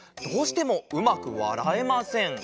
どうしてもうまくわらえません」。